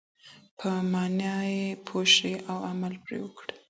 په معنی یې پوه شئ او عمل پرې وکړئ.